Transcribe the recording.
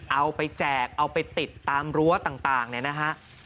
เอาไปแจกเอาไปติดตามรั้วต่างเนี่ยนะฮะ